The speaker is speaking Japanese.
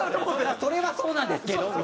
それはそうなんですけどみたいな。